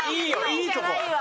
いいとこ！